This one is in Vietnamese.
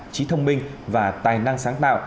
chí thông minh và tài năng sáng tạo